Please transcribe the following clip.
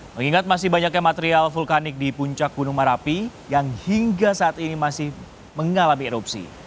mengingat masih banyaknya material vulkanik di puncak gunung merapi yang hingga saat ini masih mengalami erupsi